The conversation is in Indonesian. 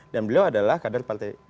dan beliau adalah kader partai dpr